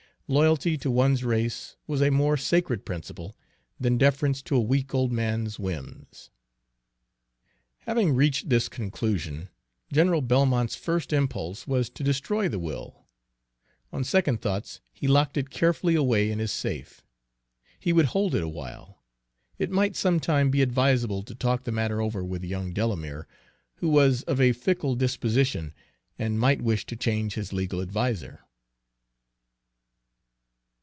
Loyalty to one's race was a more sacred principle than deference to a weak old man's whims. Having reached this conclusion, General Belmont's first impulse was to destroy the will; on second thoughts he locked it carefully away in his safe. He would hold it awhile. It might some time be advisable to talk the matter over with young Delamere, who was of a fickle disposition and might wish to change his legal adviser.